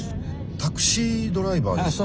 「タクシードライバー」ですか？